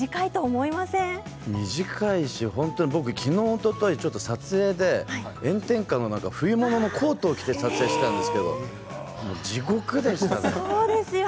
思いますし、僕きのうおととい撮影で炎天下の中冬物のコートを着て撮影したんですけど地獄でしたよ。